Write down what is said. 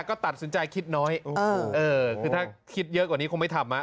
ก็ตัดสินใจคิดน้อยคือถ้าคิดเยอะกว่านี้คงไม่ทำ